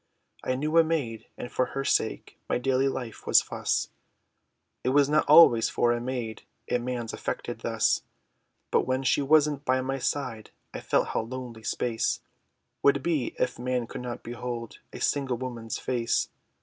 I knew a maid, and for her sake, My daily life was fuss, It is not always for a maid, A man's affected thus; But when she wasn't by my side, I felt how lonely, space Would be, if man could not behold, A single woman's face.